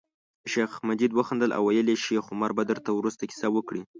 شیخ مجید وخندل او ویل یې شیخ عمر به درته وروسته کیسه وکړي.